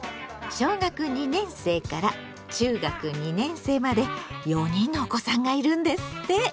小学２年生から中学２年生まで４人のお子さんがいるんですって。